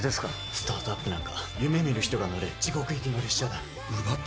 スタートアップなんか夢見る人が乗る地獄行きの列車だ。